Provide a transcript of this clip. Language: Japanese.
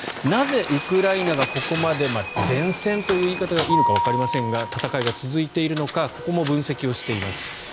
なぜ、ウクライナがここまで善戦という言い方がいいのかわかりませんが戦いが続いているのかここも分析しています。